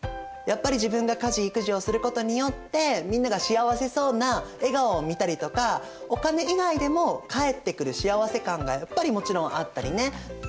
やっぱり自分が家事・育児をすることによってみんなが幸せそうな笑顔を見たりとかお金以外でも返ってくる幸せ感がやっぱりもちろんあったりね。